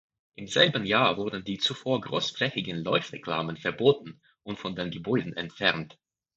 Im selben Jahr wurden die zuvor großflächigen Leuchtreklamen verboten und von den Gebäuden entfernt.